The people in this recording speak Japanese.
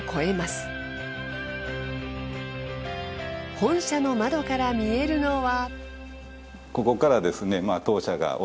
本社の窓から見えるのは。